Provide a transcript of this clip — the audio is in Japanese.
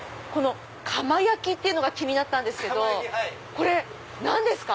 釜焼っていうのが気になったんですけどこれ何ですか？